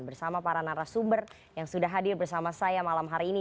bersama para narasumber yang sudah hadir bersama saya malam hari ini